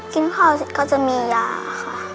กิ่งข้าวก็จะมียาค่ะ